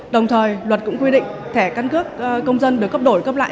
đồng thời luật cũng quy định thẻ căn cước công dân được cấp đổi cấp lại